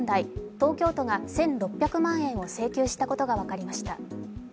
東京都が１６００万円を請求したことが分かりました。